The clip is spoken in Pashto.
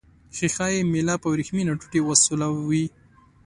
ښيښه یي میله په وریښمینه ټوټې وسولوئ.